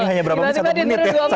ini hanya berapa menit satu menit ya